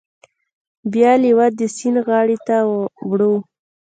بیا لیوه د سیند غاړې ته وړو.